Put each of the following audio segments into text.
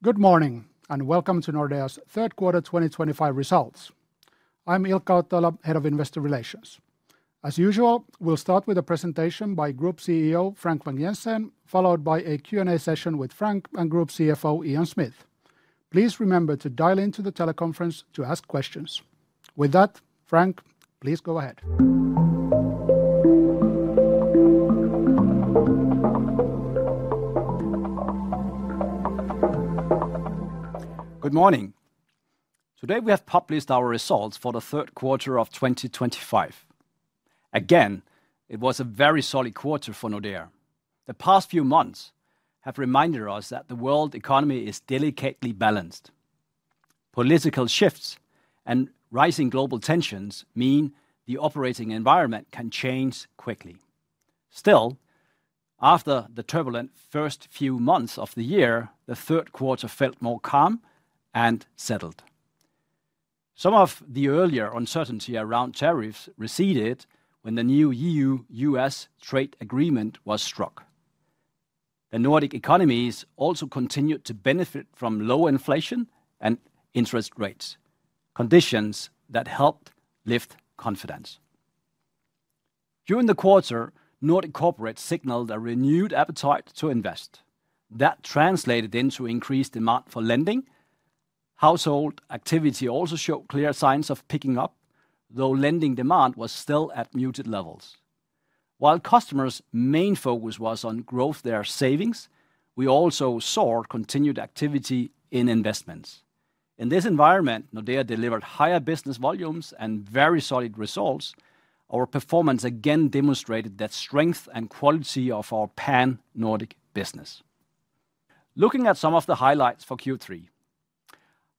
Good morning and welcome to Nordea Bank's third quarter 2025 results. I'm Ilkka Ottila, Head of Investor Relations. As usual, we'll start with a presentation by Group CEO Frank Vang-Jensen, followed by a Q&A session with Frank and Group CFO Ian Smith. Please remember to dial into the teleconference to ask questions. With that, Frank, please go ahead. Good morning. Today we have published our results for the third quarter of 2025. Again, it was a very solid quarter for Nordea Bank. The past few months have reminded us that the world economy is delicately balanced. Political shifts and rising global tensions mean the operating environment can change quickly. Still, after the turbulent first few months of the year, the third quarter felt more calm and settled. Some of the earlier uncertainty around tariffs receded when the new EU-U.S. trade agreement was struck. The Nordic economies also continued to benefit from low inflation and interest rates, conditions that helped lift confidence. During the quarter, Nordic corporates signaled a renewed appetite to invest. That translated into increased demand for lending. Household activity also showed clear signs of picking up, though lending demand was still at muted levels. While customers' main focus was on growing their savings, we also saw continued activity in investments. In this environment, Nordea Bank delivered higher business volumes and very solid results. Our performance again demonstrated the strength and quality of our pan-Nordic business. Looking at some of the highlights for Q3,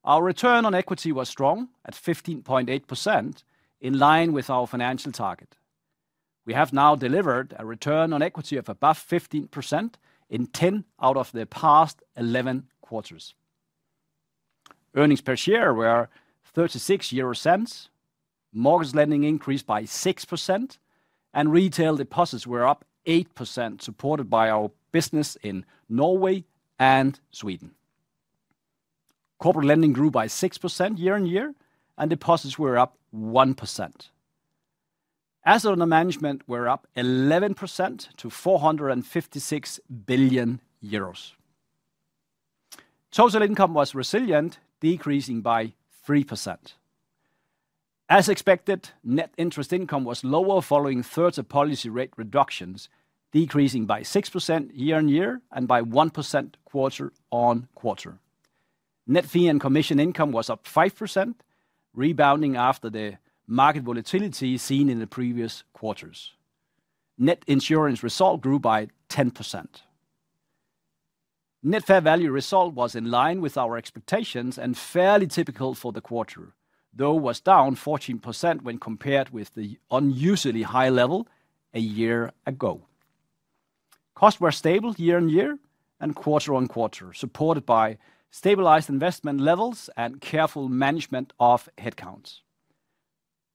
our return on equity was strong at 15.8%, in line with our financial target. We have now delivered a return on equity of above 15% in 10 out of the past 11 quarters. Earnings per share were 0.36, mortgage lending increased by 6%, and retail deposits were up 8%, supported by our business in Norway and Sweden. Corporate lending grew by 6% year on year, and deposits were up 1%. Assets under management were up 11% to 456 billion euros. Total income was resilient, decreasing by 3%. As expected, net interest income was lower following further policy rate reductions, decreasing by 6% year on year and by 1% quarter on quarter. Net fee and commission income was up 5%, rebounding after the market volatility seen in the previous quarters. Net insurance result grew by 10%. Net fair value result was in line with our expectations and fairly typical for the quarter, though was down 14% when compared with the unusually high level a year ago. Costs were stable year on year and quarter on quarter, supported by stabilized investment levels and careful management of headcounts.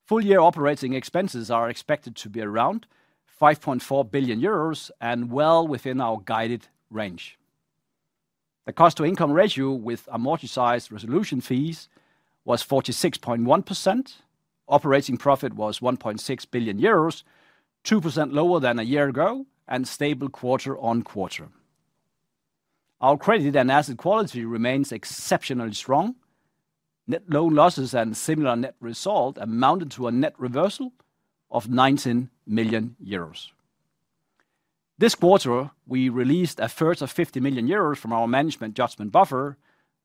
Full year operating expenses are expected to be around 5.4 billion euros and well within our guided range. The cost-to-income ratio with amortized resolution fees was 46.1%. Operating profit was 1.6 billion euros, 2% lower than a year ago, and stable quarter on quarter. Our credit and asset quality remains exceptionally strong. Net loan losses and similar net results amounted to a net reversal of 19 million euros. This quarter, we released a further 50 million euros from our management judgment buffer.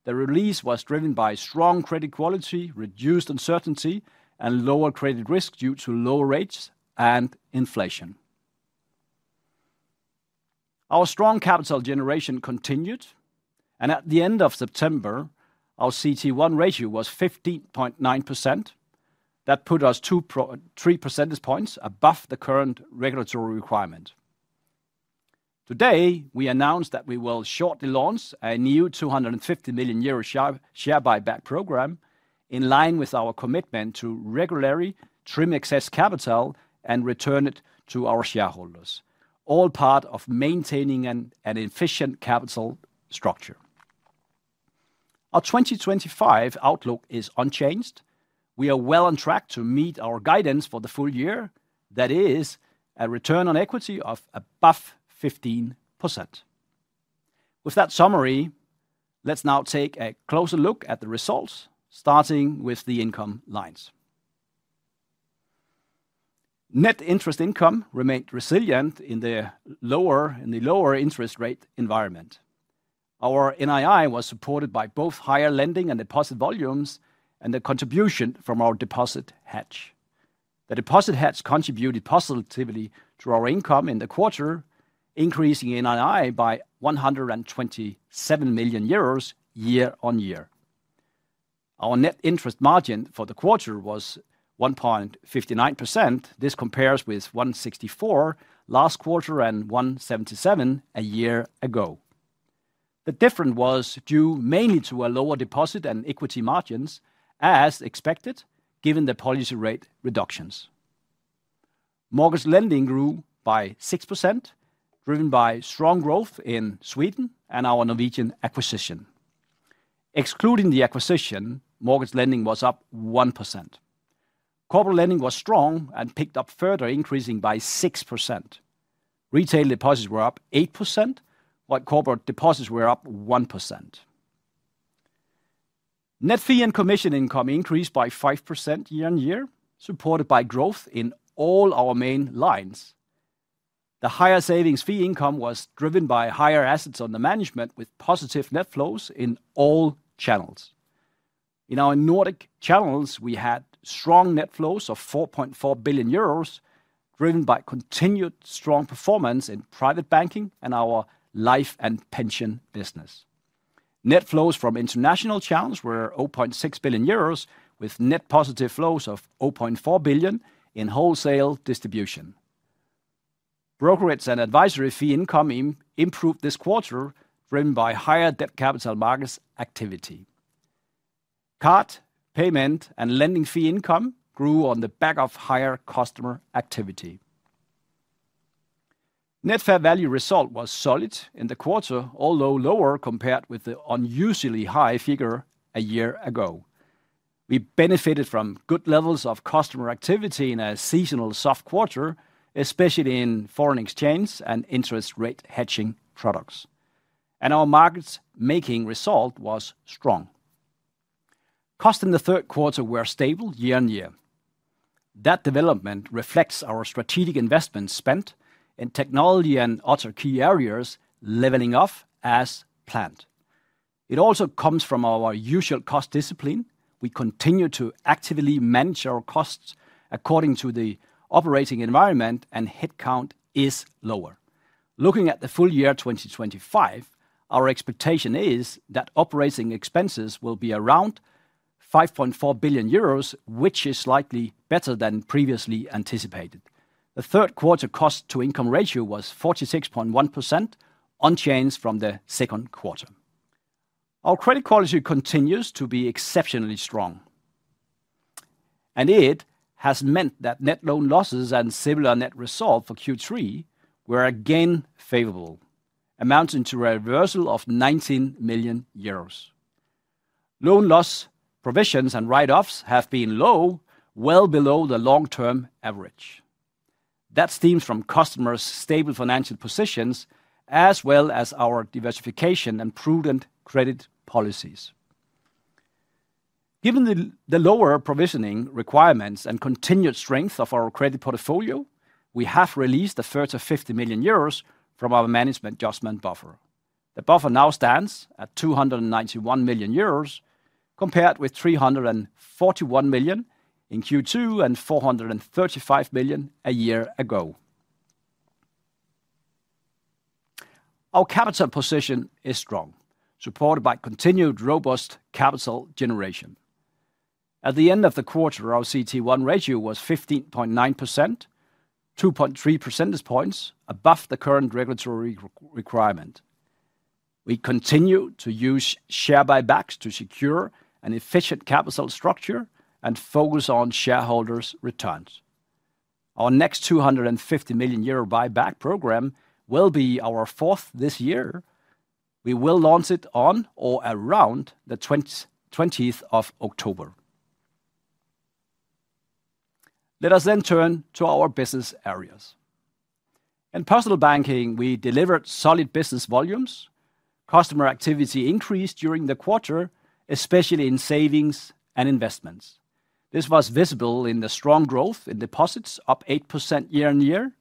The release was driven by strong credit quality, reduced uncertainty, and lower credit risk due to lower rates and inflation. Our strong capital generation continued, and at the end of September, our CET1 ratio was 15.9%. That put us two percentage points above the current regulatory requirement. Today, we announced that we will shortly launch a new 250 million euro share buyback program, in line with our commitment to regularly trim excess capital and return it to our shareholders, all part of maintaining an efficient capital structure. Our 2025 outlook is unchanged. We are well on track to meet our guidance for the full year, that is, a return on equity of above 15%. With that summary, let's now take a closer look at the results, starting with the income lines. Net interest income remained resilient in the lower interest rate environment. Our NII was supported by both higher lending and deposit volumes and the contribution from our deposit hedge. The deposit hedge contributed positively to our income in the quarter, increasing NII by € 127 million euros year on year. Our net interest margin for the quarter was 1.59%. This compares with 1.64% last quarter and 1.77% a year ago. The difference was due mainly to lower deposit and equity margins, as expected, given the policy rate reductions. Mortgage lending grew by 6%, driven by strong growth in Sweden and our Norwegian acquisition. Excluding the acquisition, mortgage lending was up 1%. Corporate lending was strong and picked up further, increasing by 6%. Retail deposits were up 8%, while corporate deposits were up 1%. Net fee and commission income increased by 5% year on year, supported by growth in all our main lines. The higher savings fee income was driven by higher assets under management, with positive net flows in all channels. In our Nordic channels, we had strong net flows of 4.4 billion euros, driven by continued strong performance in private banking and our life and pension business. Net flows from international channels were 0.6 billion euros, with net positive flows of 0.4 billion in wholesale distribution. Brokerage and advisory fee income improved this quarter, driven by higher debt capital markets activity. Card, payment, and lending fee income grew on the back of higher customer activity. Net fair value result was solid in the quarter, although lower compared with the unusually high figure a year ago. We benefited from good levels of customer activity in a seasonal soft quarter, especially in foreign exchange and interest rate hedging products. Our market making result was strong. Costs in the third quarter were stable year on year. That development reflects our strategic investments spent in technology and other key areas leveling off as planned. It also comes from our usual cost discipline. We continue to actively manage our costs according to the operating environment, and headcount is lower. Looking at the full year 2025, our expectation is that operating expenses will be around 5.4 billion euros, which is slightly better than previously anticipated. The third quarter cost-to-income ratio was 46.1%, unchanged from the second quarter. Our credit quality continues to be exceptionally strong. It has meant that net loan losses and similar net results for Q3 were again favorable, amounting to a reversal of 19 million euros. Loan loss provisions and write-offs have been low, well below the long-term average. That stems from customers' stable financial positions, as well as our diversification and prudent credit policies. Given the lower provisioning requirements and continued strength of our credit portfolio, we have released a further 50 million euros from our management judgment buffer. The buffer now stands at 291 million euros, compared with 341 million in Q2 and 435 million a year ago. Our capital position is strong, supported by continued robust capital generation. At the end of the quarter, our CET1 ratio was 15.9%, 2.3 percentage points above the current regulatory requirement. We continue to use share buybacks to secure an efficient capital structure and focus on shareholders' returns. Our next 250 million euro buyback program will be our fourth this year. We will launch it on or around the 20th of October. Let us then turn to our business areas. In Personal Banking, we delivered solid business volumes. Customer activity increased during the quarter, especially in savings and investments. This was visible in the strong growth in deposits, up 8% year on year.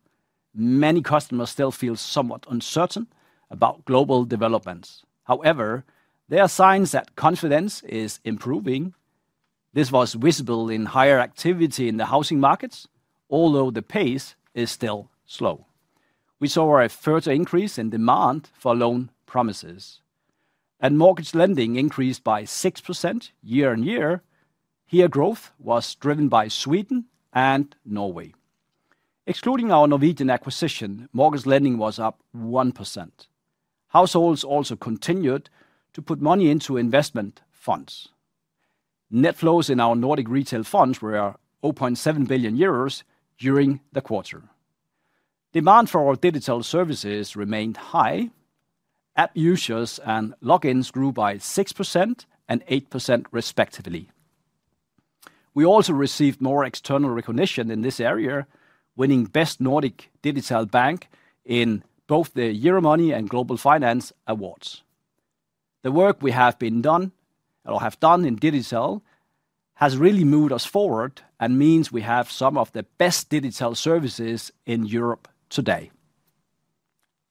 Many customers still feel somewhat uncertain about global developments. However, there are signs that confidence is improving. This was visible in higher activity in the housing markets, although the pace is still slow. We saw a further increase in demand for loan promises. Mortgage lending increased by 6% year on year. Here, growth was driven by Sweden and Norway. Excluding our Norwegian acquisition, mortgage lending was up 1%. Households also continued to put money into investment funds. Net flows in our Nordic retail funds were 0.7 billion euros during the quarter. Demand for our digital services remained high. App users and logins grew by 6% and 8% respectively. We also received more external recognition in this area, winning Best Nordic Digital Bank in both the Euromoney and Global Finance awards. The work we have done in digital has really moved us forward and means we have some of the best digital services in Europe today.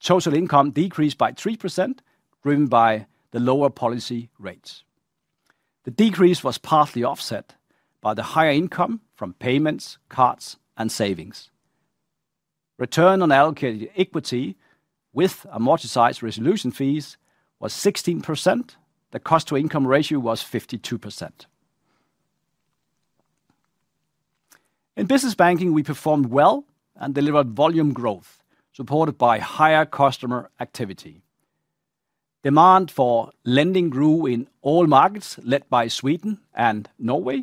Total income decreased by 3%, driven by the lower policy rates. The decrease was partly offset by the higher income from payments, cards, and savings. Return on allocated equity with amortized resolution fees was 16%. The cost-to-income ratio was 52%. In business banking, we performed well and delivered volume growth, supported by higher customer activity. Demand for lending grew in all markets, led by Sweden and Norway.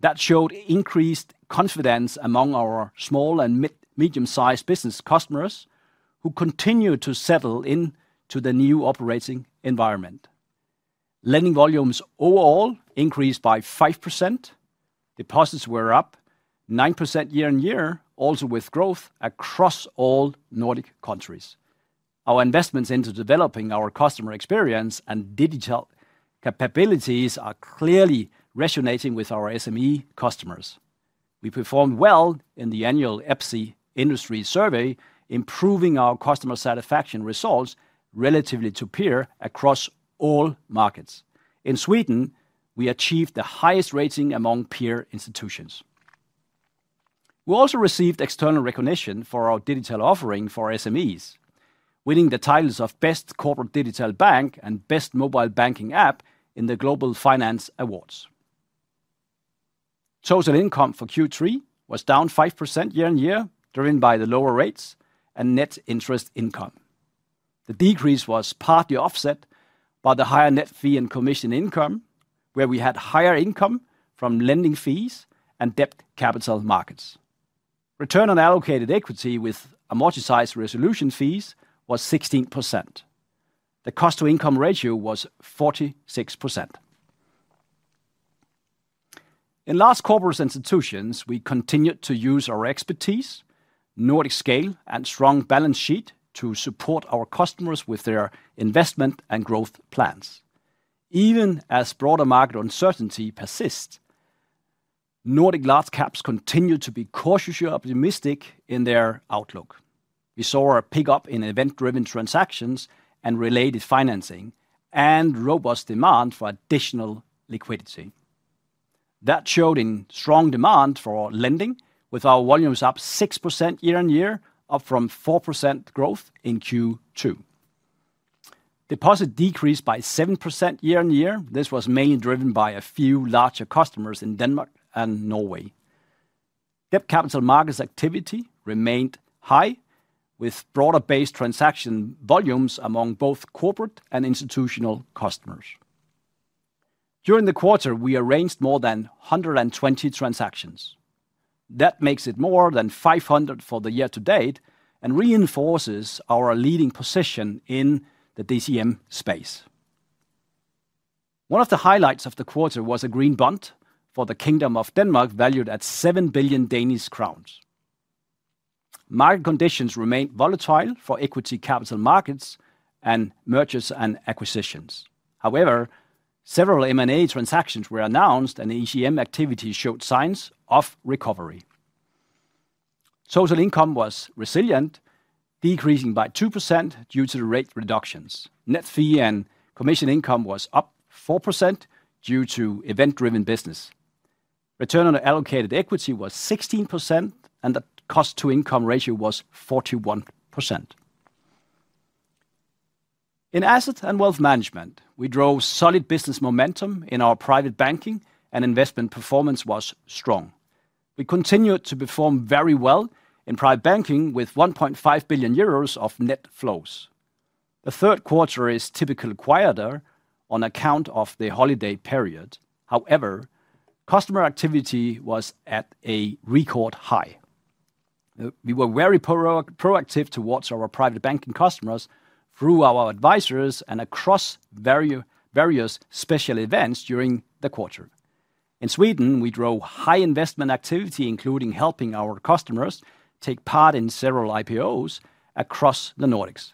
That showed increased confidence among our small and medium-sized business customers, who continue to settle into the new operating environment. Lending volumes overall increased by 5%. Deposits were up 9% year on year, also with growth across all Nordic countries. Our investments into developing our customer experience and digital capabilities are clearly resonating with our SME customers. We performed well in the annual EPSI Industry Survey, improving our customer satisfaction results relative to peers across all markets. In Sweden, we achieved the highest rating among peer institutions. We also received external recognition for our digital offering for SMEs, winning the titles of Best Corporate Digital Bank and Best Mobile Banking App in the Global Finance awards. Total income for Q3 was down 5% year on year, driven by the lower rates and net interest income. The decrease was partly offset by the higher net fee and commission income, where we had higher income from lending fees and debt capital markets. Return on allocated equity with amortized resolution fees was 16%. The cost-to-income ratio was 46%. In large corporate institutions, we continued to use our expertise, Nordic scale, and strong balance sheet to support our customers with their investment and growth plans. Even as broader market uncertainty persists, Nordic large caps continue to be cautiously optimistic in their outlook. We saw a pickup in event-driven transactions and related financing, and robust demand for additional liquidity. That showed in strong demand for lending, with our volumes up 6% year on year, up from 4% growth in Q2. Deposits decreased by 7% year on year. This was mainly driven by a few larger customers in Denmark and Norway. Debt capital markets activity remained high, with broader-based transaction volumes among both corporate and institutional customers. During the quarter, we arranged more than 120 transactions. That makes it more than 500 for the year to date and reinforces our leading position in the DCM space. One of the highlights of the quarter was a green bond for the Kingdom of Denmark, valued at 7 billion Danish crowns. Market conditions remained volatile for equity capital markets and Mergers and Acquisition. However, several M&A transactions were announced, and ECM activity showed signs of recovery. Total income was resilient, decreasing by 2% due to the rate reductions. Net fee and commission income was up 4% due to event-driven business. Return on allocated equity was 16%, and the cost-to-income ratio was 41%. In asset and wealth management, we drove solid business momentum in our private banking, and investment performance was strong. We continued to perform very well in private banking, with 1.5 billion euros of net flows. The third quarter is typically quieter on account of the holiday period. However, customer activity was at a record high. We were very proactive towards our private banking customers through our advisors and across various special events during the quarter. In Sweden, we drove high investment activity, including helping our customers take part in several IPOs across the Nordics.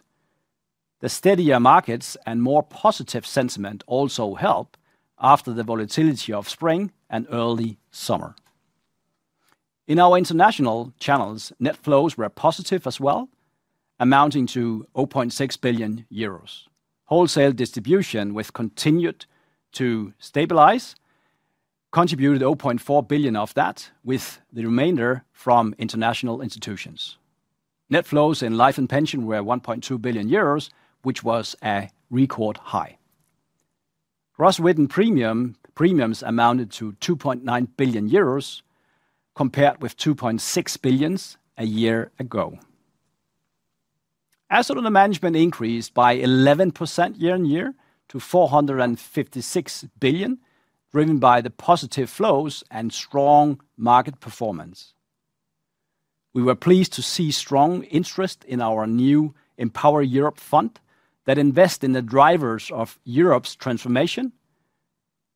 The steadier markets and more positive sentiment also helped after the volatility of spring and early summer. In our international channels, net flows were positive as well, amounting to 0.6 billion euros. Wholesale distribution continued to stabilize, contributed 0.4 billion of that, with the remainder from international institutions. Net flows in life and pension were 1.2 billion euros, which was a record high. Gross written premiums amounted to 2.9 billion euros, compared with 2.6 billion a year ago. Asset under management increased by 11% year on year to 456 billion, driven by the positive flows and strong market performance. We were pleased to see strong interest in our new Empower Europe fund that invests in the drivers of Europe's transformation: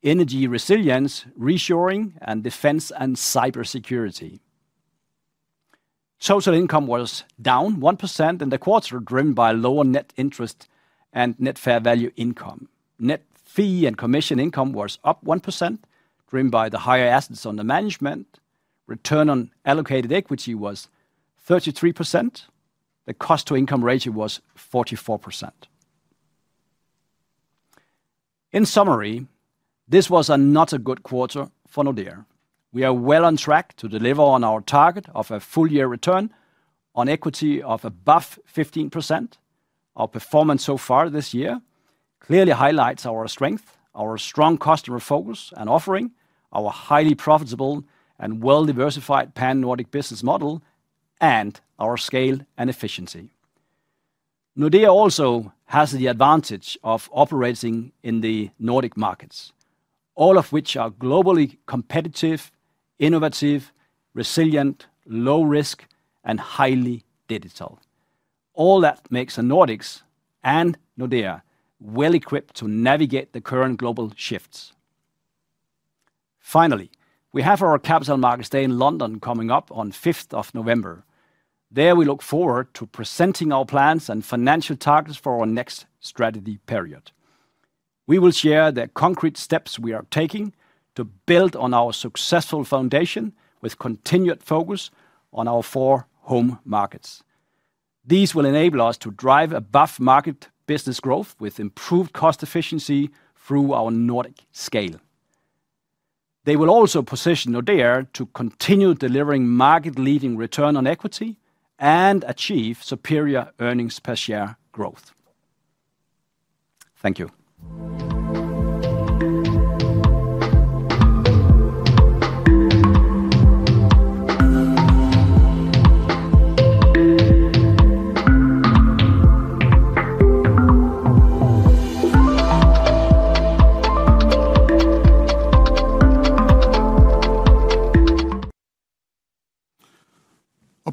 energy resilience, reshoring, and defense and cybersecurity. Total income was down 1% in the quarter, driven by lower net interest and net fair value income. Net fee and commission income was up 1%, driven by the higher assets under management. Return on allocated equity was 33%. The cost-to-income ratio was 44%. In summary, this was not a good quarter for Nordea Bank. We are well on track to deliver on our target of a full year return on equity of above 15%. Our performance so far this year clearly highlights our strength, our strong customer focus and offering, our highly profitable and well-diversified pan-Nordic business model, and our scale and efficiency. Nordea Bank also has the advantage of operating in the Nordic markets, all of which are globally competitive, innovative, resilient, low-risk, and highly digital. All that makes the Nordics and Nordea Bank well-equipped to navigate the current global shifts. Finally, we have our Capital Markets Day in London coming up on the 5th of November. There, we look forward to presenting our plans and financial targets for our next strategy period. We will share the concrete steps we are taking to build on our successful foundation with continued focus on our four home markets. These will enable us to drive above-market business growth with improved cost efficiency through our Nordic scale. They will also position Nordea to continue delivering market-leading return on equity and achieve superior earnings per share growth. Thank you.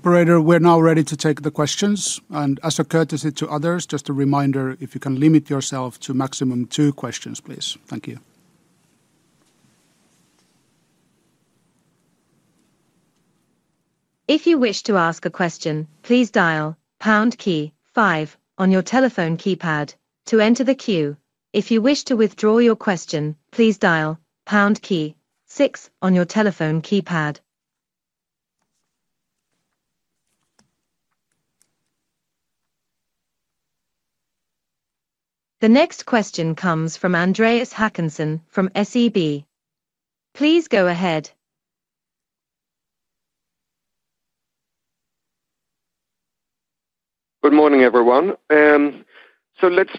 Operator, we're now ready to take the questions. As a courtesy to others, just a reminder: if you can limit yourself to a maximum of two questions, please. Thank you. If you wish to ask a question, please dial Pound Key five on your telephone keypad to enter the queue. If you wish to withdraw your question, please dial Pound Key six on your telephone keypad. The next question comes from Andreas Hakansson from SEB. Please go ahead. Good morning, everyone. Let's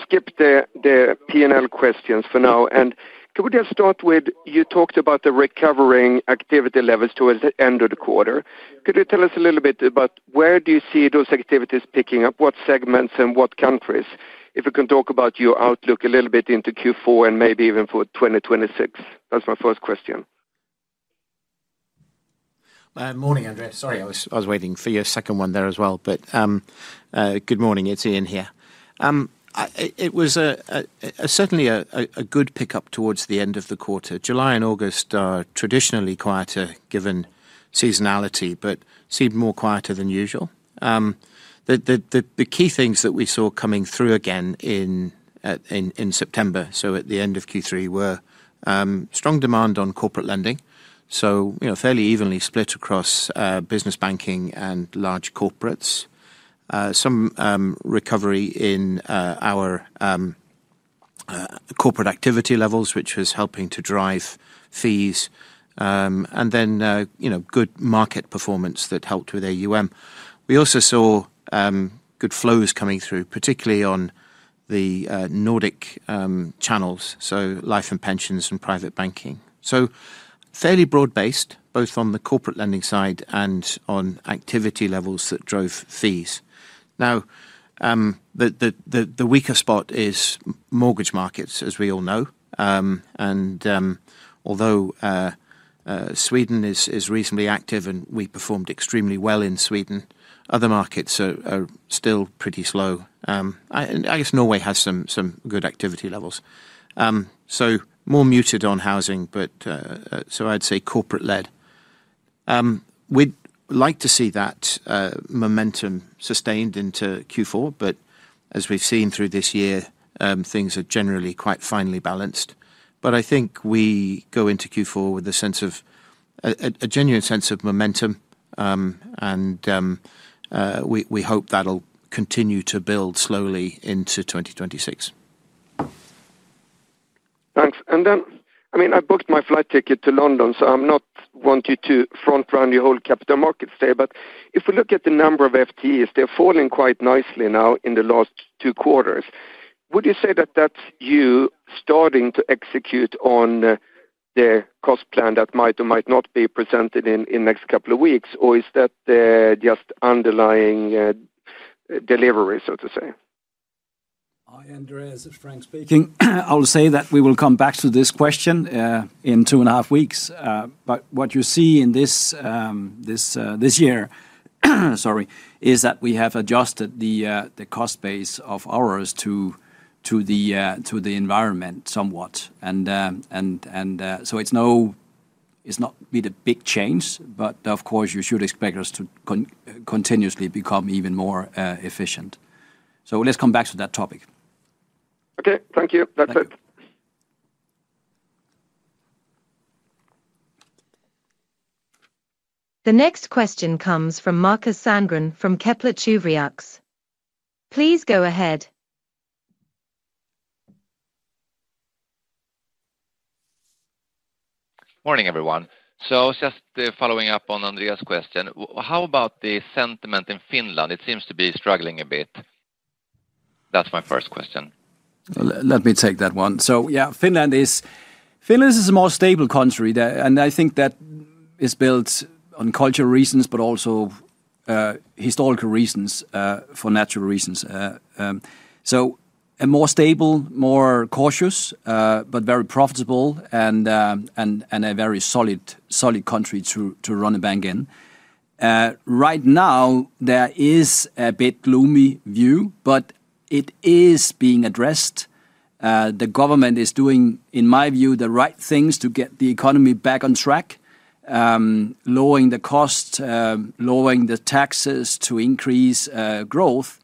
skip the P&L questions for now. Can we just start with you talked about the recovering activity levels towards the end of the quarter. Could you tell us a little bit about where you see those activities picking up, what segments and what countries? If you can talk about your outlook a little bit into Q4 and maybe even for 2026. That's my first question. Morning, Andreas. Sorry, I was waiting for your second one there as well. Good morning, it's Ian here. It was certainly a good pickup towards the end of the quarter. July and August are traditionally quieter, given seasonality, but seemed quieter than usual. The key things that we saw coming through again in September, at the end of Q3, were strong demand on corporate lending, fairly evenly split across business banking and large corporates. Some recovery in our corporate activity levels was helping to drive fees, and good market performance helped with AUM. We also saw good flows coming through, particularly on the Nordic channels, life and pensions, and private banking. Fairly broad-based, both on the corporate lending side and on activity levels that drove fees. The weaker spot is mortgage markets, as we all know. Although Sweden is reasonably active and we performed extremely well in Sweden, other markets are still pretty slow. I guess Norway has some good activity levels, more muted on housing, so I'd say corporate-led. We'd like to see that momentum sustained into Q4. As we've seen through this year, things are generally quite finely balanced. I think we go into Q4 with a genuine sense of momentum, and we hope that will continue to build slowly into 2026. Thanks. I booked my flight ticket to London, so I'm not wanting to front-run your whole Capital Markets Day. If we look at the number of FTEs, they're falling quite nicely now in the last two quarters. Would you say that that's you starting to execute on the cost plan that might or might not be presented in the next couple of weeks, or is that just underlying delivery, so to say? Hi, Andreas. Frank speaking. I'll say that we will come back to this question in two and a half weeks. What you see this year is that we have adjusted the cost base of ours to the environment somewhat. It's not been a big change, but of course, you should expect us to continuously become even more efficient. Let's come back to that topic. OK, thank you. That's it. The next question comes from Markus Sandgren from Kepler Cheuvreux. Please go ahead. Morning, everyone. Just following up on Andreas's question, how about the sentiment in Finland? It seems to be struggling a bit. That's my first question. Let me take that one. Finland is a more stable country. I think that is built on cultural reasons, but also historical reasons, for natural reasons. A more stable, more cautious, but very profitable and a very solid country to run a bank in. Right now, there is a bit gloomy view, but it is being addressed. The government is doing, in my view, the right things to get the economy back on track, lowering the costs, lowering the taxes to increase growth.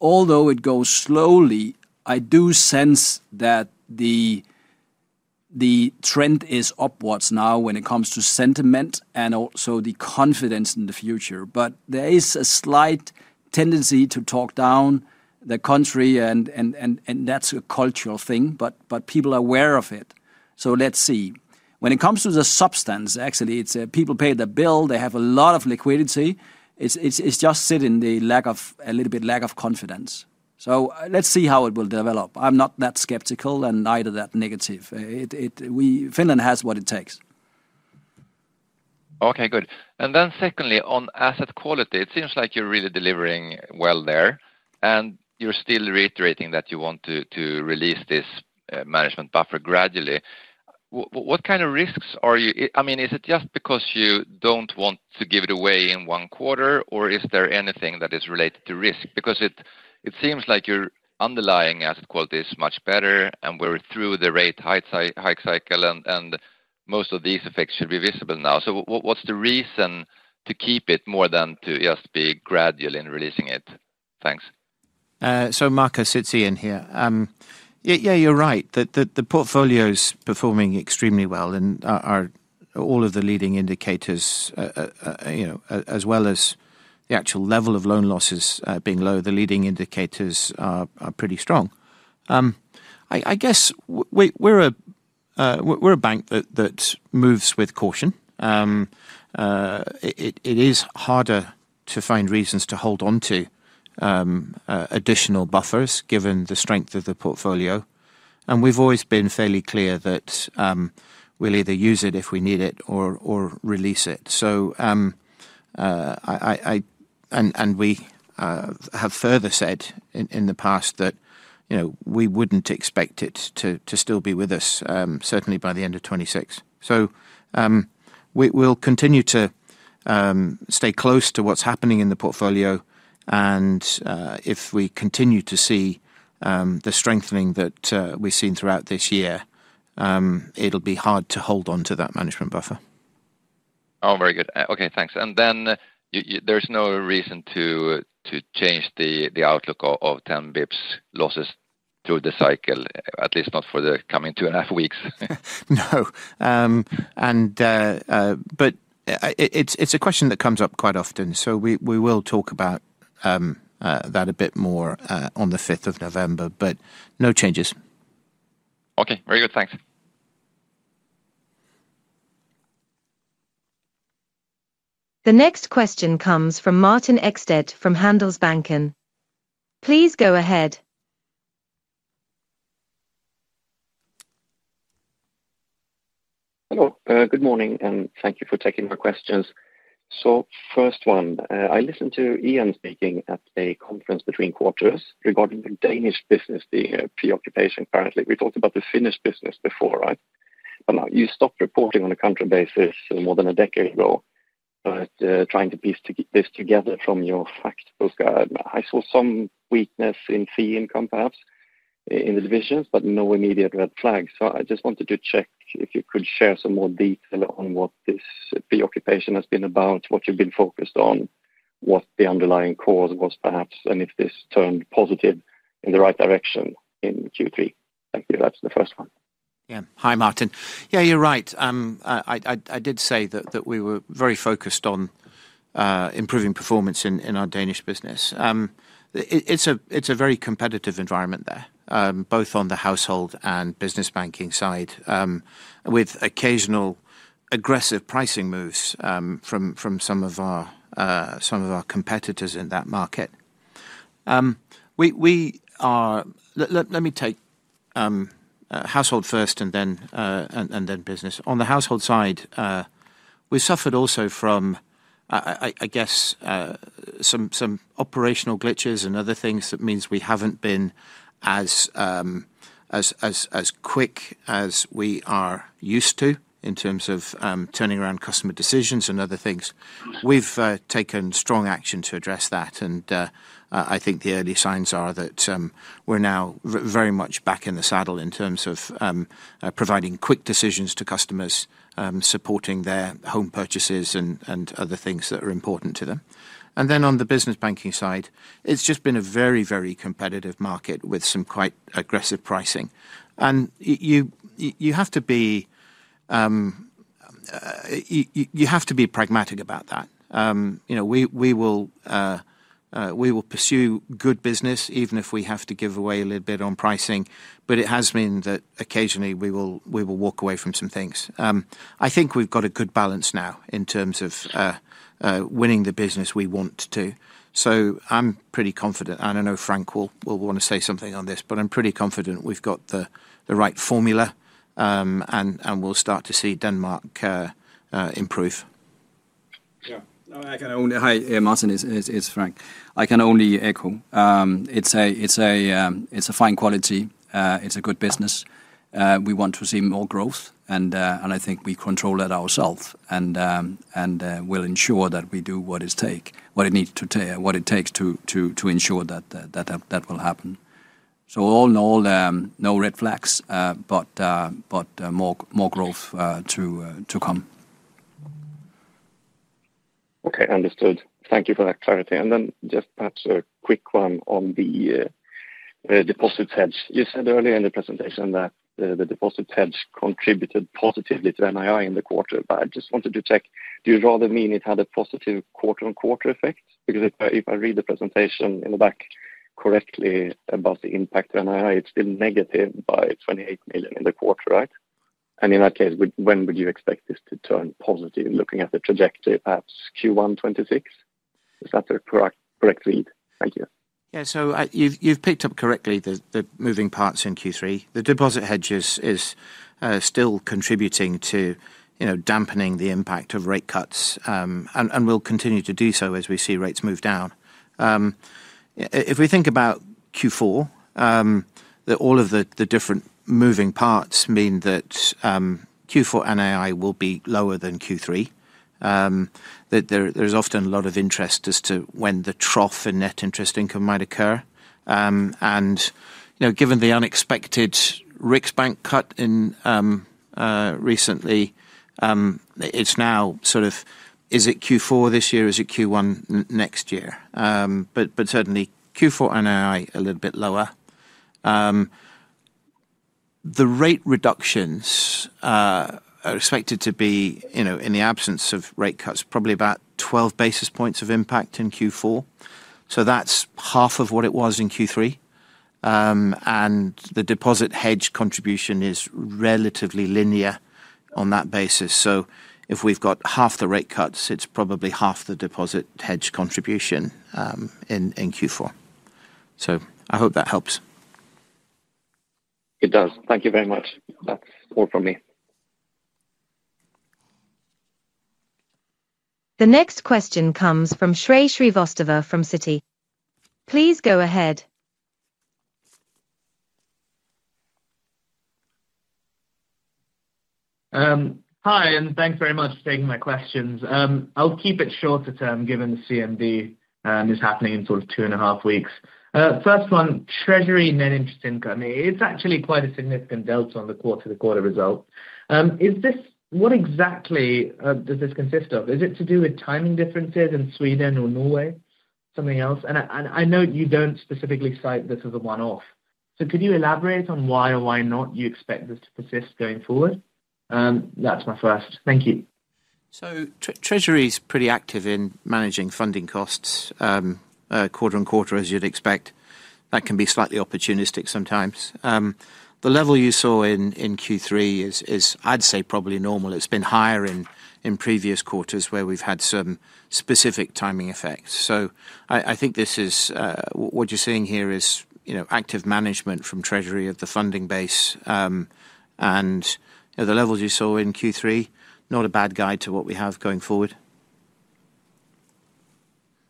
Although it goes slowly, I do sense that the trend is upwards now when it comes to sentiment and also the confidence in the future. There is a slight tendency to talk down the country, and that's a cultural thing. People are aware of it. Let's see. When it comes to the substance, actually, people pay the bill. They have a lot of liquidity. It's just sitting, a little bit lack of confidence. Let's see how it will develop. I'm not that skeptical and neither that negative. Finland has what it takes. OK, good. Secondly, on asset quality, it seems like you're really delivering well there. You're still reiterating that you want to release this management judgment buffer gradually. What kind of risks are you—I mean, is it just because you don't want to give it away in one quarter, or is there anything that is related to risk? It seems like your underlying asset quality is much better, and we're through the rate hike cycle, and most of these effects should be visible now. What's the reason to keep it more than to just be gradual in releasing it? Thanks. Markus, it's Ian here. You're right. The portfolio is performing extremely well, and all of the leading indicators, as well as the actual level of loan losses being low, are pretty strong. We're a bank that moves with caution. It is harder to find reasons to hold on to additional buffers, given the strength of the portfolio. We've always been fairly clear that we'll either use it if we need it or release it. We have further said in the past that we wouldn't expect it to still be with us, certainly by the end of 2026. We'll continue to stay close to what's happening in the portfolio, and if we continue to see the strengthening that we've seen throughout this year, it'll be hard to hold on to that management buffer. Oh, very good. OK, thanks. There's no reason to change the outlook of 10 bps losses through the cycle, at least not for the coming two and a half weeks. No. It's a question that comes up quite often. We will talk about that a bit more on the 5th of November, but no changes. OK, very good. Thanks. The next question comes from Martin Ekstedt from Handelsbanken. Please go ahead. Hello. Good morning, and thank you for taking my questions. First, I listened to Ian Smith speaking at a conference between quarters regarding the Danish business, the preoccupation currently. We talked about the Finnish business before, right? You stopped reporting on a country basis more than a decade ago, but trying to piece this together from your facts. I saw some weakness in fee income, perhaps, in the divisions, but no immediate red flags. I just wanted to check if you could share some more detail on what this preoccupation has been about, what you've been focused on, what the underlying cause was, perhaps, and if this turned positive in the right direction in Q3. Thank you. That's the first one. Yeah. Hi, Martin. Yeah, you're right. I did say that we were very focused on improving performance in our Danish business. It's a very competitive environment there, both on the household and business banking side, with occasional aggressive pricing moves from some of our competitors in that market. Let me take household first and then business. On the household side, we suffered also from, I guess, some operational glitches and other things. That means we haven't been as quick as we are used to in terms of turning around customer decisions and other things. We've taken strong action to address that. I think the early signs are that we're now very much back in the saddle in terms of providing quick decisions to customers, supporting their home purchases and other things that are important to them. On the business banking side, it's just been a very, very competitive market with some quite aggressive pricing. You have to be pragmatic about that. We will pursue good business, even if we have to give away a little bit on pricing. It has meant that occasionally we will walk away from some things. I think we've got a good balance now in terms of winning the business we want to. I'm pretty confident, and I know Frank will want to say something on this, but I'm pretty confident we've got the right formula, and we'll start to see Denmark improve. I can only echo. It's a fine quality. It's a good business. We want to see more growth. I think we control that ourselves and will ensure that we do what it needs to take to ensure that will happen. All in all, no red flags, but more growth to come. OK, understood. Thank you for that clarity. Perhaps a quick one on the deposit hedge. You said earlier in the presentation that the deposit hedge contributed positively to NII in the quarter. I just wanted to check, do you rather mean it had a positive quarter-on-quarter effect? Because if I read the presentation in the back correctly about the impact of NII, it's still negative by 28 million in the quarter, right? In that case, when would you expect this to turn positive, looking at the trajectory, perhaps Q1 2026? Is that the correct read? Thank you. Yeah, so you've picked up correctly the moving parts in Q3. The deposit hedge is still contributing to dampening the impact of rate cuts, and will continue to do so as we see rates move down. If we think about Q4, all of the different moving parts mean that Q4 NII will be lower than Q3. There's often a lot of interest as to when the trough in net interest income might occur. Given the unexpected Riksbank cut recently, it's now sort of, is it Q4 this year? Is it Q1 next year? Certainly, Q4 NII a little bit lower. The rate reductions are expected to be, in the absence of rate cuts, probably about 12 basis points of impact in Q4. That's half of what it was in Q3. The deposit hedge contribution is relatively linear on that basis. If we've got half the rate cuts, it's probably half the deposit hedge contribution in Q4. I hope that helps. It does. Thank you very much. That's all from me. The next question comes from Shrey Srivastava from Citi. Please go ahead. Hi, and thanks very much for taking my questions. I'll keep it shorter term, given the CMD, and it's happening in sort of two and a half weeks. First one, Treasury net interest income. It's actually quite a significant delta on the quarter-to-quarter result. What exactly does this consist of? Is it to do with timing differences in Sweden or Norway, something else? I note you don't specifically cite this as a one-off. Could you elaborate on why or why not you expect this to persist going forward? That's my first. Thank you. Treasury is pretty active in managing funding costs quarter-on-quarter, as you'd expect. That can be slightly opportunistic sometimes. The level you saw in Q3 is, I'd say, probably normal. It's been higher in previous quarters where we've had some specific timing effects. I think what you're seeing here is active management from Treasury of the funding base, and the levels you saw in Q3 are not a bad guide to what we have going forward.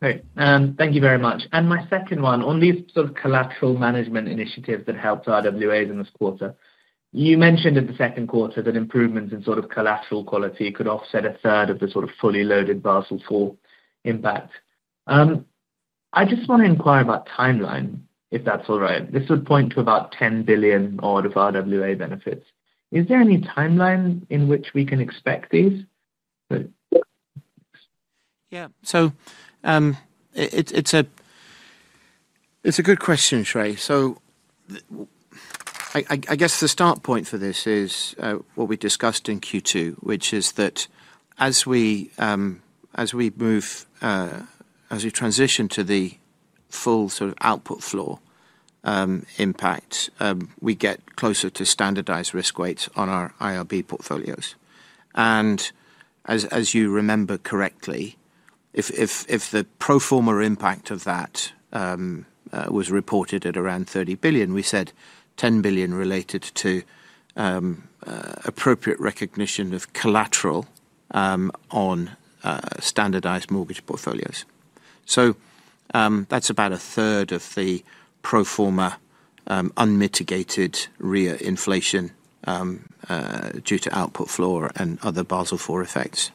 Great. Thank you very much. My second one, on these sort of collateral management initiatives that helped RWAs in this quarter, you mentioned in the second quarter that improvements in sort of collateral quality could offset a third of the sort of fully loaded Basel IV impact. I just want to inquire about timeline, if that's all right. This would point to about 10 billion odd of RWA benefits. Is there any timeline in which we can expect these? Yeah. It's a good question, Shrey. I guess the start point for this is what we discussed in Q2, which is that as we transition to the full sort of output floor impacts, we get closer to standardized risk weights on our IRB portfolios. If you remember correctly, the pro forma impact of that was reported at around 30 billion. We said 10 billion related to appropriate recognition of collateral on standardized mortgage portfolios. That's about a third of the pro forma unmitigated RWA inflation due to output floor and other Basel IV effects.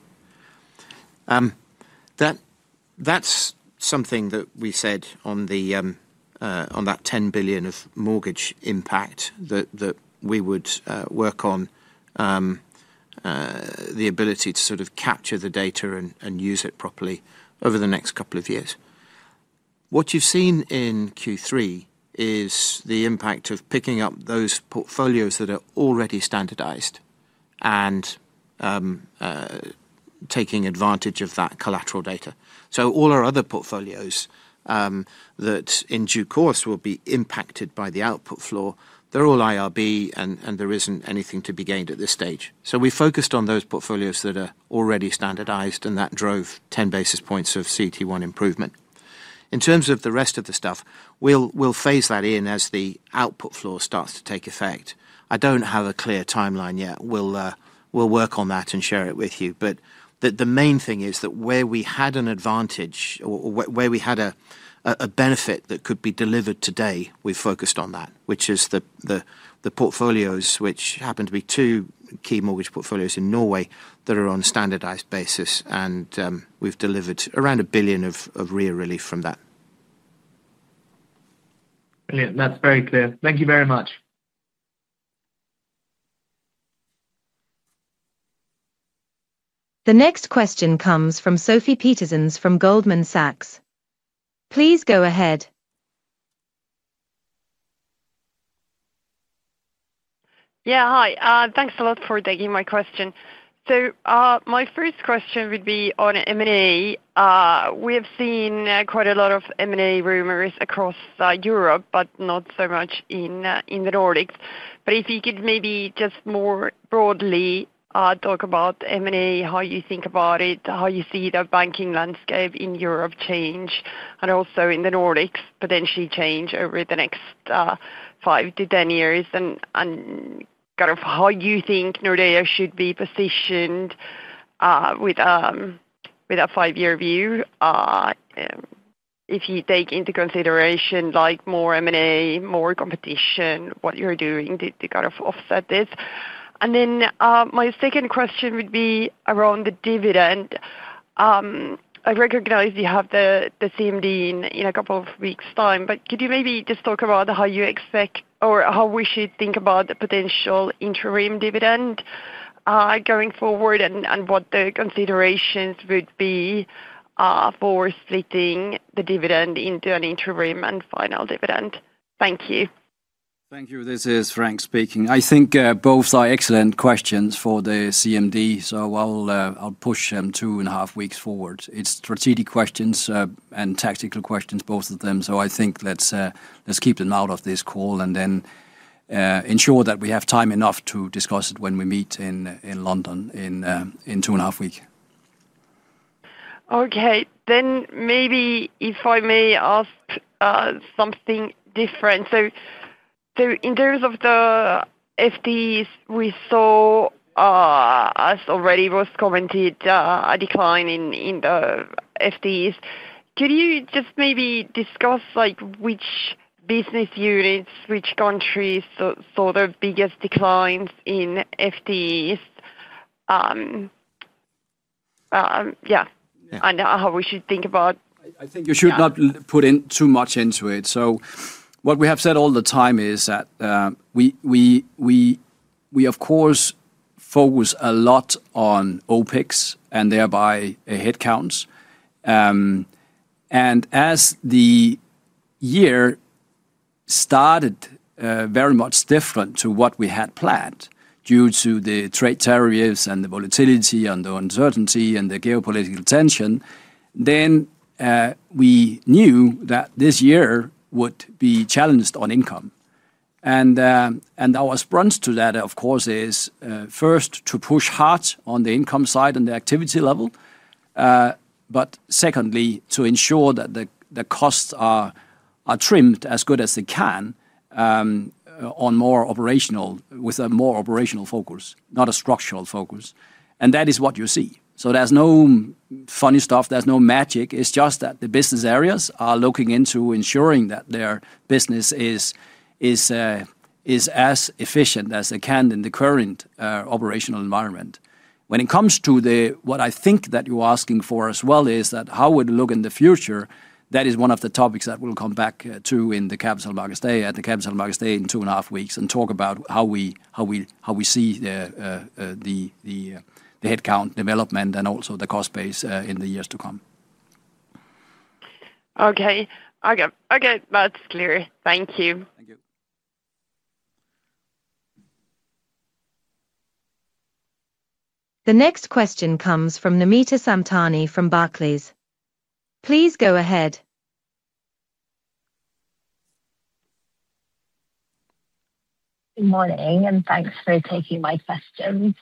We said on that 10 billion of mortgage impact that we would work on the ability to capture the data and use it properly over the next couple of years. What you've seen in Q3 is the impact of picking up those portfolios that are already standardized and taking advantage of that collateral data. All our other portfolios that in due course will be impacted by the output floor are all IRB, and there isn't anything to be gained at this stage. We focused on those portfolios that are already standardized, and that drove 10 basis points of CET1 improvement. In terms of the rest of the stuff, we'll phase that in as the output floor starts to take effect. I don't have a clear timeline yet. We'll work on that and share it with you. The main thing is that where we had an advantage or where we had a benefit that could be delivered today, we focused on that, which is the portfolios, which happen to be two key mortgage portfolios in Norway that are on a standardized basis. We've delivered around 1 billion of RWA relief from that. Brilliant. That's very clear. Thank you very much. The next question comes from Sophie Petersen from Goldman Sachs. Please go ahead. Yeah, hi. Thanks a lot for taking my question. My first question would be on M&A. We have seen quite a lot of M&A rumors across Europe, but not so much in the Nordics. If you could maybe just more broadly talk about M&A, how you think about it, how you see the banking landscape in Europe change, and also in the Nordics potentially change over the next 5 to 10 years, and kind of how you think Nordea should be positioned with a five-year view, if you take into consideration more M&A, more competition, what you're doing to kind of offset this. My second question would be around the dividend. I recognize you have the CMD in a couple of weeks' time. Could you maybe just talk about how you expect or how we should think about the potential interim dividend going forward and what the considerations would be for splitting the dividend into an interim and final dividend? Thank you. Thank you. This is Frank speaking. I think both are excellent questions for the CMD. I'll push them two and a half weeks forward. It's strategic questions and tactical questions, both of them. I think let's keep them out of this call and then ensure that we have time enough to discuss it when we meet in London in two and a half weeks. OK. If I may ask something different, in terms of the FTEs, we saw, as already was commented, a decline in the FTEs. Could you just maybe discuss which business units, which countries saw the biggest declines in FTEs, and how we should think about it? I think you should not put too much into it. What we have said all the time is that we, of course, focus a lot on OpEx and thereby headcounts. As the year started very much different to what we had planned due to the trade tariffs and the volatility and the uncertainty and the geopolitical tension, we knew that this year would be challenged on income. Our response to that, of course, is first to push hard on the income side and the activity level, but secondly, to ensure that the costs are trimmed as good as they can with a more operational focus, not a structural focus. That is what you see. There is no funny stuff. There is no magic. It is just that the business areas are looking into ensuring that their business is as efficient as they can in the current operational environment. When it comes to what I think that you are asking for as well, it is that how would it look in the future? That is one of the topics that we will come back to in the Capital Markets Day at the Capital Markets Day in two and a half weeks and talk about how we see the headcount development and also the cost base in the years to come. OK. OK. That's clear. Thank you. Thank you. The next question comes from Namita Samtani from Barclays. Please go ahead. Good morning, and thanks for taking my questions.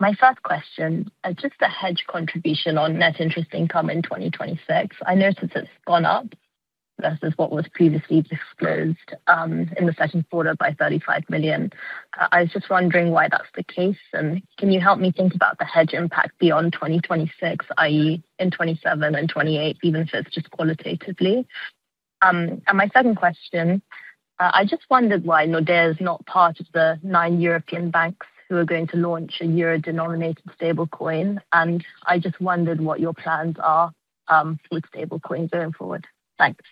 My first question, just the hedge contribution on net interest income in 2026. I noticed it's gone up versus what was previously disclosed in the second quarter by 35 million. I was just wondering why that's the case. Can you help me think about the hedge impact beyond 2026, i.e., in 2027 and 2028, even if it's just qualitatively? My second question, I just wondered why Nordea is not part of the nine European banks who are going to launch a euro-denominated stablecoin. I just wondered what your plans are with stablecoins going forward. Thanks.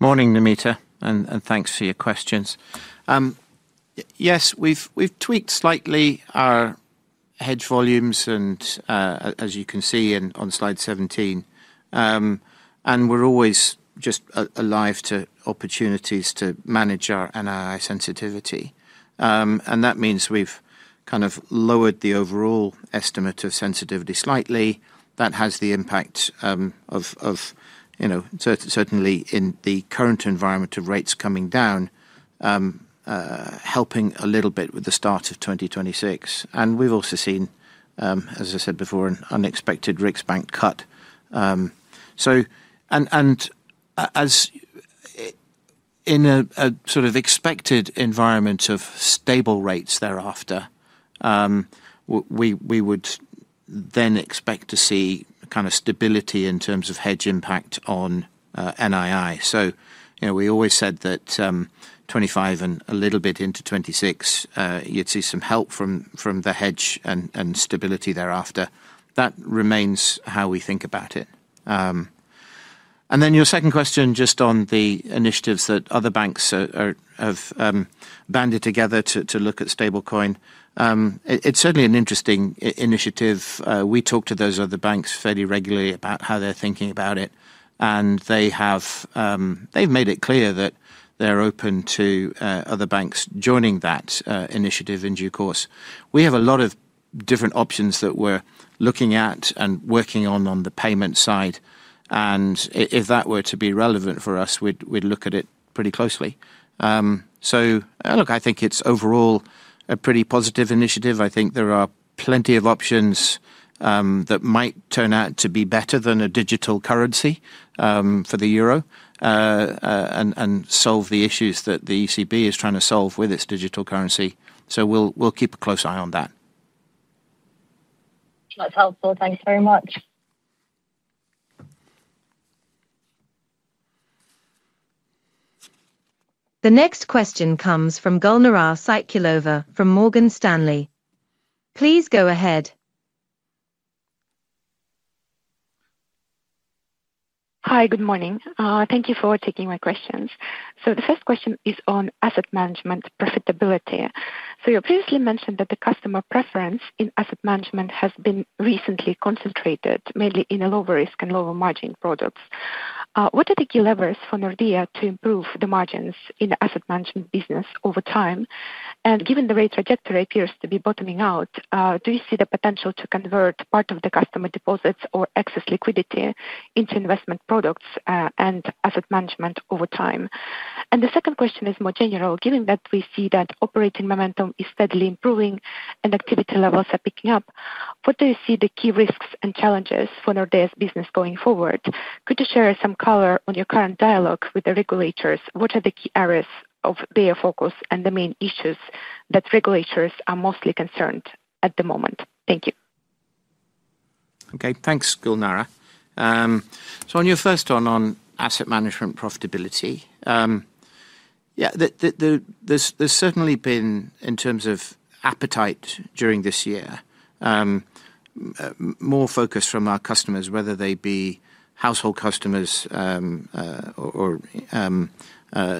Morning, Namita, and thanks for your questions. Yes, we've tweaked slightly our hedge volumes, as you can see on slide 17. We're always just alive to opportunities to manage our NII sensitivity. That means we've kind of lowered the overall estimate of sensitivity slightly. That has the impact of, certainly in the current environment of rates coming down, helping a little bit with the start of 2026. We've also seen, as I said before, an unexpected Riksbank cut. In a sort of expected environment of stable rates thereafter, we would then expect to see kind of stability in terms of hedge impact on NII. We always said that '25 and a little bit into '26, you'd see some help from the hedge and stability thereafter. That remains how we think about it. Your second question, just on the initiatives that other banks have banded together to look at stablecoin. It's certainly an interesting initiative. We talk to those other banks fairly regularly about how they're thinking about it. They've made it clear that they're open to other banks joining that initiative in due course. We have a lot of different options that we're looking at and working on on the payment side. If that were to be relevant for us, we'd look at it pretty closely. I think it's overall a pretty positive initiative. I think there are plenty of options that might turn out to be better than a digital currency for the euro and solve the issues that the ECB is trying to solve with its digital currency. We'll keep a close eye on that. That's helpful. Thanks very much. The next question comes from Gulnara Saitkulova from Morgan Stanley. Please go ahead. Hi, good morning. Thank you for taking my questions. The first question is on asset management profitability. You previously mentioned that the customer preference in asset management has been recently concentrated, mainly in lower risk and lower margin products. What are the key levers for Nordea to improve the margins in the asset management business over time? Given the rate trajectory appears to be bottoming out, do you see the potential to convert part of the customer deposits or excess liquidity into investment products and asset management over time? The second question is more general. Given that we see that operating momentum is steadily improving and activity levels are picking up, what do you see as the key risks and challenges for Nordea's business going forward? Could you share some color on your current dialogue with the regulators? What are the key areas of their focus and the main issues that regulators are mostly concerned with at the moment? Thank you. OK. Thanks, Gulnara. On your first one on asset management profitability, yeah, there's certainly been, in terms of appetite during this year, more focus from our customers, whether they be household customers or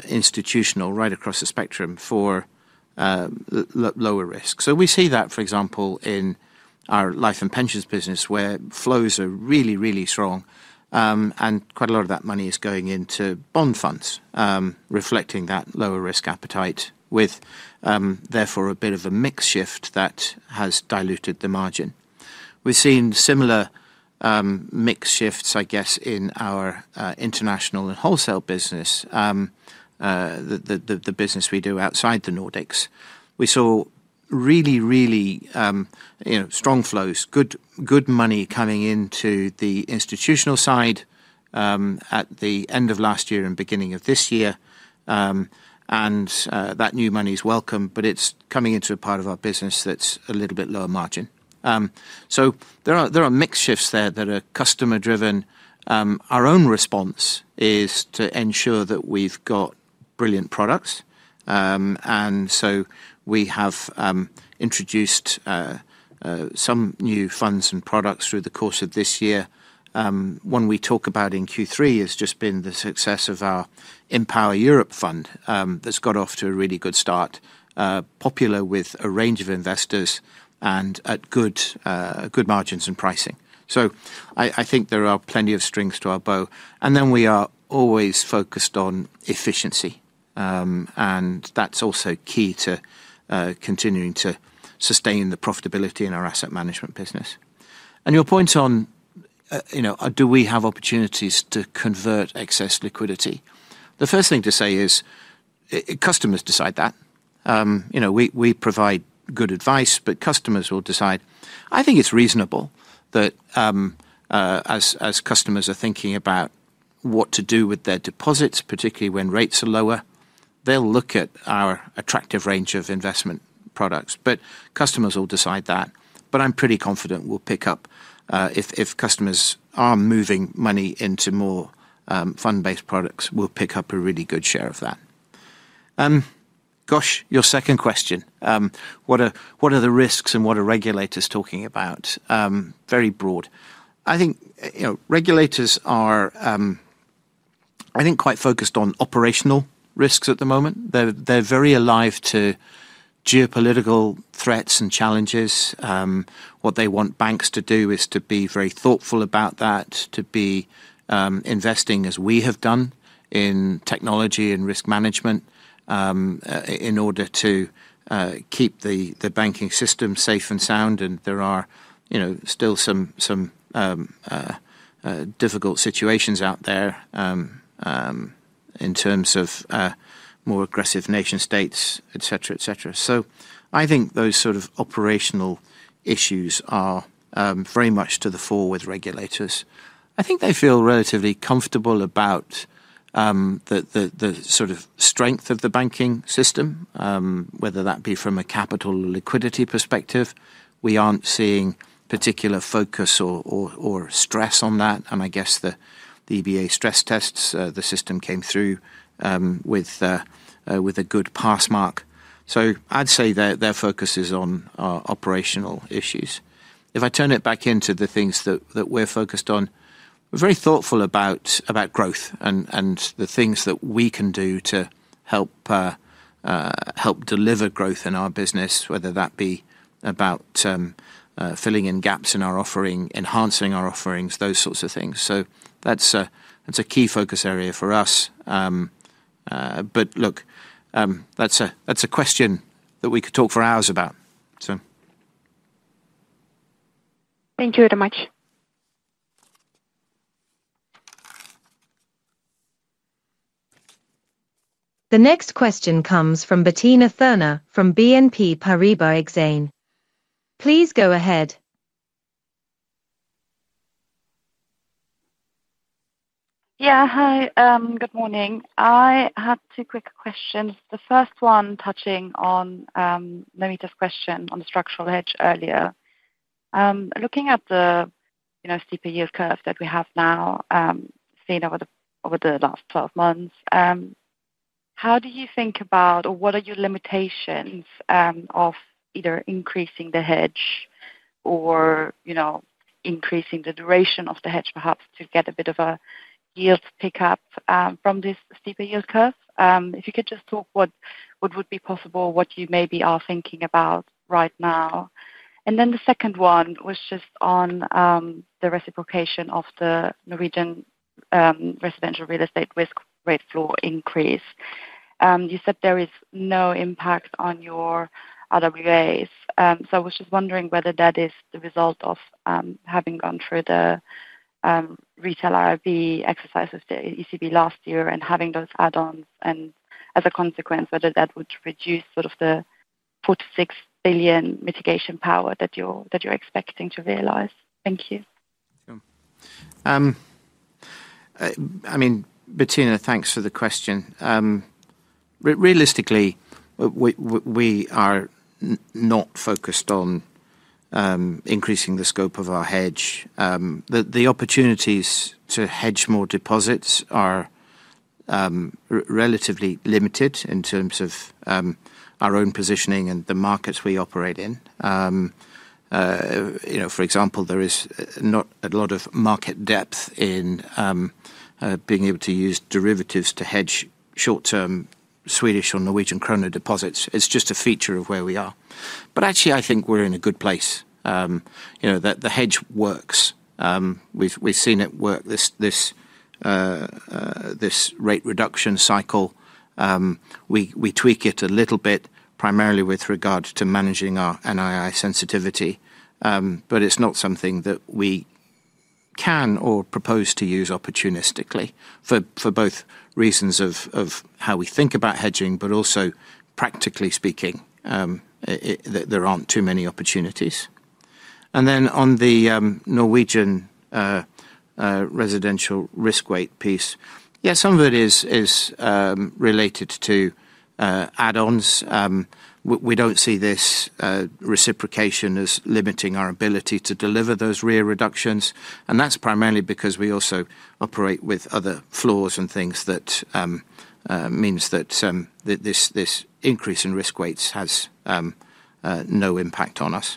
institutional, right across the spectrum for lower risk. We see that, for example, in our life and pensions business, where flows are really, really strong. Quite a lot of that money is going into bond funds, reflecting that lower risk appetite, with therefore a bit of a mix shift that has diluted the margin. We've seen similar mix shifts, I guess, in our international and wholesale business, the business we do outside the Nordics. We saw really, really strong flows, good money coming into the institutional side at the end of last year and beginning of this year. That new money is welcome, but it's coming into a part of our business that's a little bit lower margin. There are mix shifts there that are customer-driven. Our own response is to ensure that we've got brilliant products. We have introduced some new funds and products through the course of this year. One we talk about in Q3 has just been the success of our Empower Europe fund that's got off to a really good start, popular with a range of investors and at good margins and pricing. I think there are plenty of strings to our bow. We are always focused on efficiency. That's also key to continuing to sustain the profitability in our asset management business. Your point on do we have opportunities to convert excess liquidity, the first thing to say is customers decide that. We provide good advice, but customers will decide. I think it's reasonable that as customers are thinking about what to do with their deposits, particularly when rates are lower, they'll look at our attractive range of investment products. Customers will decide that. I'm pretty confident we'll pick up, if customers are moving money into more fund-based products, we'll pick up a really good share of that. Your second question, what are the risks and what are regulators talking about? Very broad. I think regulators are, I think, quite focused on operational risks at the moment. They're very alive to geopolitical threats and challenges. What they want banks to do is to be very thoughtful about that, to be investing, as we have done, in technology and risk management in order to keep the banking system safe and sound. There are still some difficult situations out there in terms of more aggressive nation states, et cetera, et cetera. I think those sort of operational issues are very much to the fore with regulators. I think they feel relatively comfortable about the sort of strength of the banking system, whether that be from a capital or liquidity perspective. We aren't seeing particular focus or stress on that. I guess the EBA stress tests, the system came through with a good pass mark. I'd say their focus is on operational issues. If I turn it back into the things that we're focused on, we're very thoughtful about growth and the things that we can do to help deliver growth in our business, whether that be about filling in gaps in our offering, enhancing our offerings, those sorts of things. That's a key focus area for us. Look, that's a question that we could talk for hours about. Thank you very much. The next question comes from Bettina Thurner from BNP Paribas Exane. Please go ahead. Yeah, hi. Good morning. I have two quick questions. The first one touching on Namita's question on the structural hedge earlier. Looking at the CPU curve that we have now seen over the last 12 months, how do you think about or what are your limitations of either increasing the hedge or increasing the duration of the hedge, perhaps to get a bit of a yield pickup from this CPU curve? If you could just talk what would be possible, what you maybe are thinking about right now. The second one was just on the reciprocation of the Norwegian residential real estate risk rate floor increase. You said there is no impact on your RWAs. I was just wondering whether that is the result of having gone through the retail RRB exercise of the ECB last year and having those add-ons. As a consequence, whether that would reduce sort of the 4 billion- 6 billion mitigation power that you're expecting to realize. Thank you. I mean, Bettina, thanks for the question. Realistically, we are not focused on increasing the scope of our hedge. The opportunities to hedge more deposits are relatively limited in terms of our own positioning and the markets we operate in. For example, there is not a lot of market depth in being able to use derivatives to hedge short-term Swedish or Norwegian krona deposits. It's just a feature of where we are. Actually, I think we're in a good place. The hedge works. We've seen it work, this rate reduction cycle. We tweak it a little bit, primarily with regard to managing our NII sensitivity. It's not something that we can or propose to use opportunistically for both reasons of how we think about hedging, but also practically speaking, there aren't too many opportunities. On the Norwegian residential risk weight piece, some of it is related to add-ons. We don't see this reciprocation as limiting our ability to deliver those RIA reductions. That's primarily because we also operate with other floors and things that mean that this increase in risk weights has no impact on us.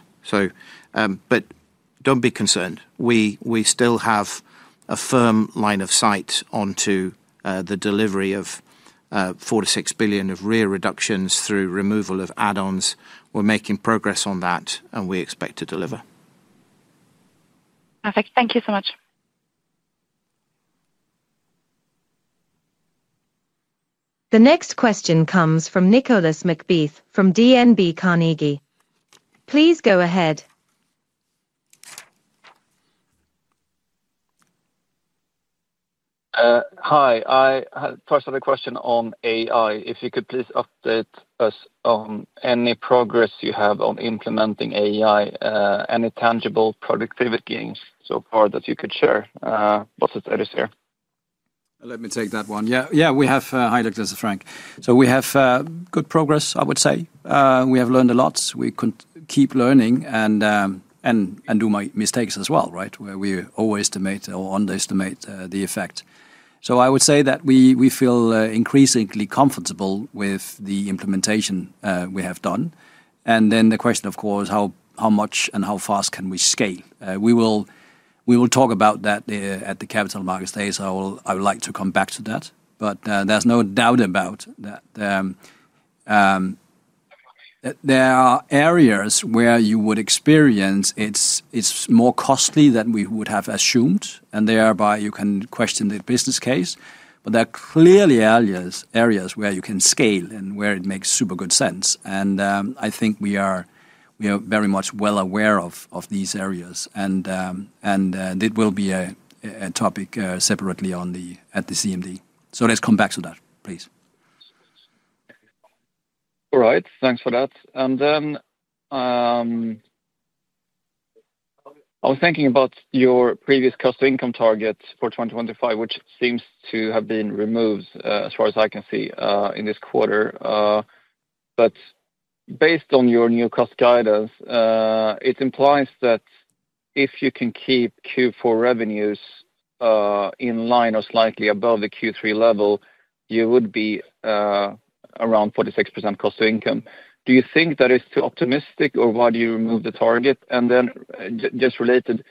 Don't be concerned. We still have a firm line of sight onto the delivery of 4 billion- 6 billion of RIA reductions through removal of add-ons. We're making progress on that, and we expect to deliver. Perfect. Thank you so much. The next question comes from Nicolas McBeath from DNB Carnegie. Please go ahead. Hi. I first had a question on AI. If you could please update us on any progress you have on implementing AI, any tangible productivity gains so far that you could share. Bottled Teddy's here. Let me take that one. Yeah, we have hired us, Frank. We have good progress, I would say. We have learned a lot. We keep learning and do mistakes as well, right, where we always underestimate the effect. I would say that we feel increasingly comfortable with the implementation we have done. The question, of course, is how much and how fast can we scale? We will talk about that at the Capital Markets Day. I would like to come back to that. There's no doubt that there are areas where you would experience it's more costly than we would have assumed, and thereby, you can question the business case. There are clearly areas where you can scale and where it makes super good sense. I think we are very much well aware of these areas. It will be a topic separately at the Capital Markets Day. Let's come back to that, please. All right. Thanks for that. I was thinking about your previous cost-to-income target for 2025, which seems to have been removed, as far as I can see, in this quarter. Based on your new cost guidance, it implies that if you can keep Q4 revenues in line or slightly above the Q3 level, you would be around 46% cost-to-income. Do you think that is too optimistic, or why do you remove the target? Just related,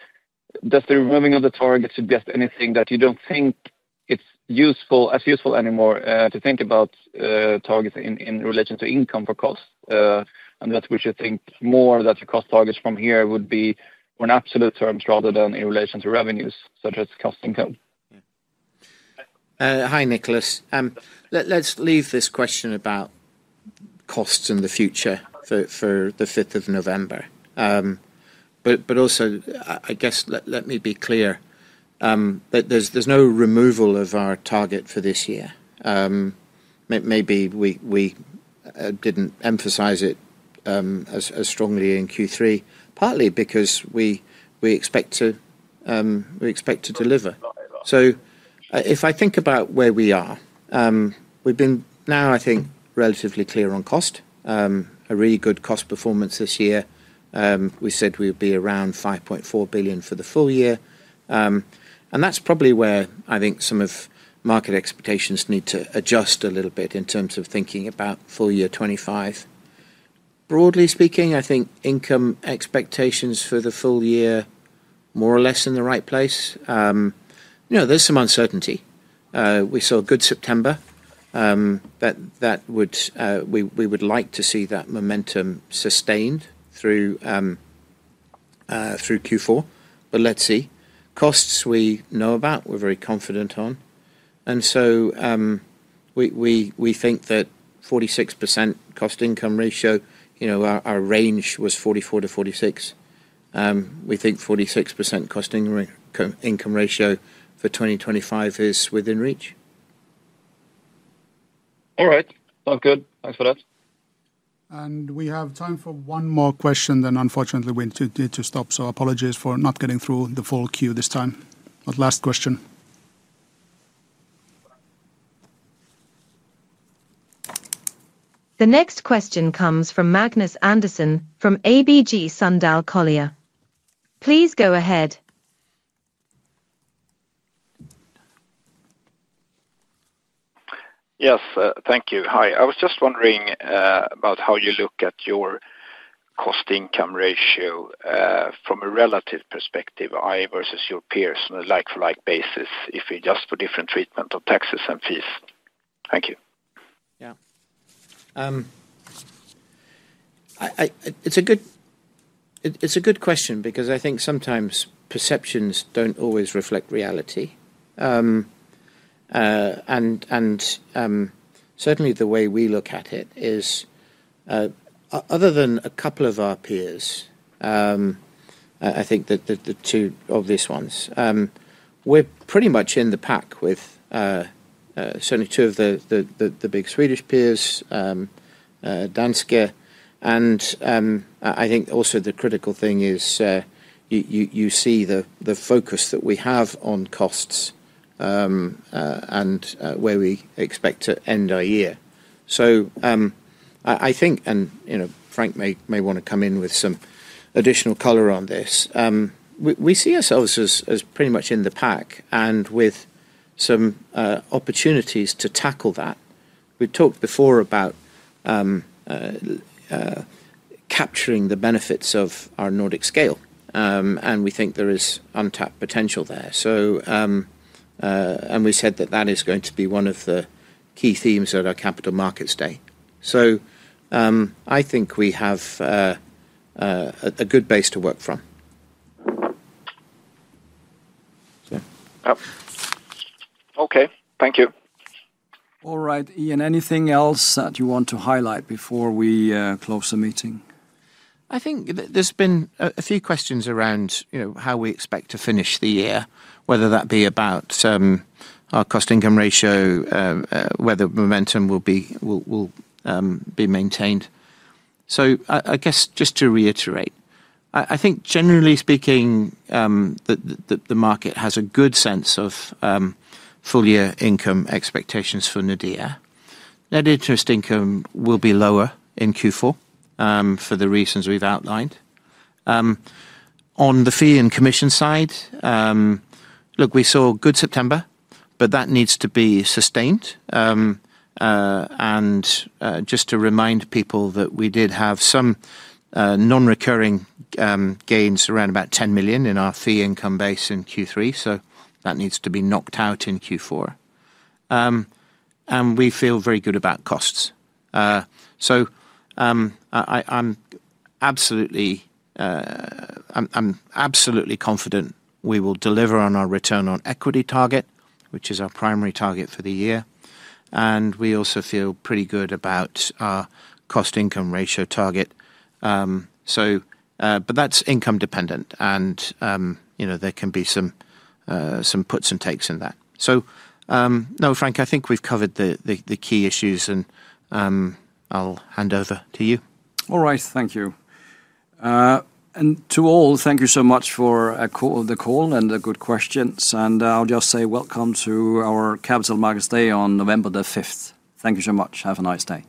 does the removing of the target suggest anything that you don't think it's as useful anymore to think about targets in relation to income for cost? Should we think more that the cost targets from here would be on absolute terms rather than in relation to revenues, such as cost-to-income? Hi, Nicolas. Let's leave this question about costs in the future for the 5th of November. Let me be clear that there's no removal of our target for this year. Maybe we didn't emphasize it as strongly in Q3, partly because we expect to deliver. If I think about where we are, we've been now, I think, relatively clear on cost, a really good cost performance this year. We said we would be around 5.4 billion for the full year, and that's probably where I think some of market expectations need to adjust a little bit in terms of thinking about full year 2025. Broadly speaking, I think income expectations for the full year are more or less in the right place. There's some uncertainty. We saw a good September. We would like to see that momentum sustained through Q4. Let's see. Costs we know about, we're very confident on. We think that 46% cost-to-income ratio, our range was 44%-46%. We think 46% cost-to-income ratio for 2025 is within reach. All right. Sounds good. Thanks for that. We have time for one more question. Unfortunately, we need to stop. Apologies for not getting through the full queue this time. Last question. The next question comes from Magnus Andersson from ABG Sundal Collier. Please go ahead. Yes, thank you. Hi. I was just wondering about how you look at your cost-to-income ratio from a relative perspective, versus your peers, on a like-for-like basis, if you adjust for different treatment of taxes and fees. Thank you. Yeah. It's a good question because I think sometimes perceptions don't always reflect reality. Certainly, the way we look at it is, other than a couple of our peers, I think the two obvious ones, we're pretty much in the pack with certainly two of the big Swedish peers, Danske. I think also the critical thing is you see the focus that we have on costs and where we expect to end our year. I think, and Frank may want to come in with some additional color on this, we see ourselves as pretty much in the pack and with some opportunities to tackle that. We talked before about capturing the benefits of our Nordic scale, and we think there is untapped potential there. We said that that is going to be one of the key themes at our Capital Markets Day. I think we have a good base to work from. OK, thank you. All right, Ian, anything else that you want to highlight before we close the meeting? I think there's been a few questions around how we expect to finish the year, whether that be about our cost-to-income ratio, whether momentum will be maintained. I guess just to reiterate, I think generally speaking, the market has a good sense of full-year income expectations for Nordea Bank. Net interest income will be lower in Q4 for the reasons we've outlined. On the fee and commission side, look, we saw a good September, but that needs to be sustained. Just to remind people that we did have some non-recurring gains, around about €10 million in our fee income base in Q3. That needs to be knocked out in Q4. We feel very good about costs. I'm absolutely confident we will deliver on our return on equity target, which is our primary target for the year. We also feel pretty good about our cost-to-income ratio target. That's income-dependent, and there can be some puts and takes in that. No, Frank, I think we've covered the key issues. I'll hand over to you. All right. Thank you. To all, thank you so much for the call and the good questions. I'll just say welcome to our Capital Markets Day on November 5. Thank you so much. Have a nice day.